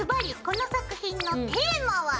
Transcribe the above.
この作品のテーマは？